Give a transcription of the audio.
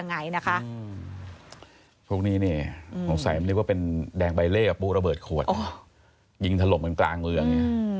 นะคะพรุ่งนี้เนี่ยหาวสายพี่แต่ว่าเป็นแดงใบเลร์ปวดระเบิดขวดยิงถล่มเป็นกลางเมือง